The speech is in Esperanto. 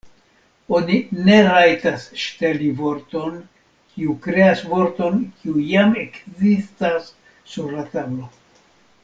Oni ne rajtas ŝteli vorton kiu kreas vorton kiu jam ekzistas sur la tablo.